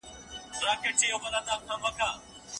خلګ په ګډه کار کوي.